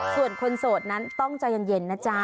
ส่วนคนโสดนั้นต้องใจเย็นนะจ๊ะ